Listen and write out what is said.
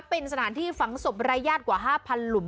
เป็นสถานที่ฝังศพรายญาติกว่า๕๐๐หลุม